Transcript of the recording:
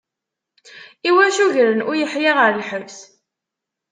Iwacu gren Uyeḥya ɣer lḥebs?